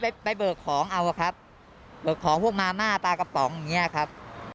ไปไปเบิกของเอาอะครับเบิกของพวกมาม่าปลากระป๋องอย่างเงี้ยครับ